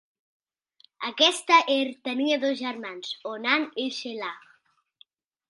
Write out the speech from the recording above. Aquesta Er tenia dos germans, Onan i Shelah.